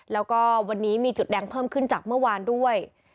แล้วก็วันนี้มีจุดแดงเพิ่มขึ้นจากเมื่อวานด้วย